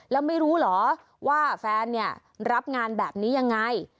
แล้วไม่รู้เหรอว่าแฟนเนี่ยรับงานแบบนี้ยังไง